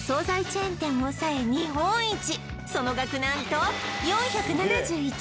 チェーン店をおさえ日本一その額何と４７１億円